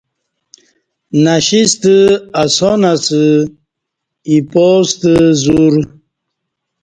نہ شی ستہ اسان اسہ اِپاستہ زور